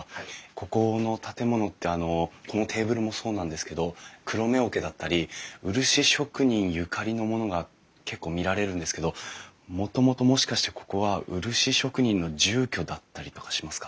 ここの建物ってあのこのテーブルもそうなんですけどくろめ桶だったり漆職人ゆかりのものが結構見られるんですけどもともともしかしてここは漆職人の住居だったりとかしますか？